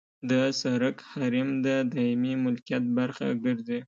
د سرک حریم د دایمي ملکیت برخه ګرځي